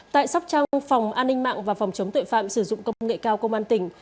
tại sóc trăng phòng an ninh mạng và phòng chống tội phạm sử dụng công nghệ cao công an tỉnh